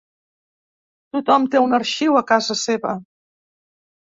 Tothom té un arxiu a casa seva.